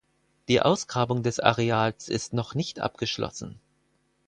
Die Ausgrabung des Areals ist noch nicht abgeschlossen.